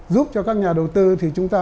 giúp cho các nhà đầu tư thì chúng ta